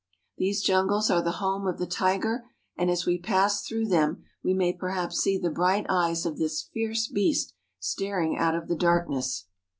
These jungles are the home of the tiger ; and as we pass through them we may perhaps see the bright eyes of this fierce beast staring out of the darkness.